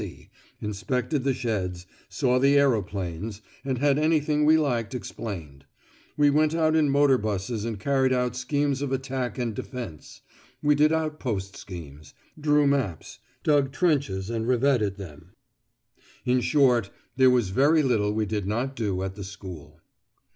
F.C., inspected the sheds, saw the aeroplanes, and had anything we liked explained: we went out in motor buses and carried out schemes of attack and defence: we did outpost schemes: drew maps: dug trenches and revetted them. In short, there was very little we did not do at the School.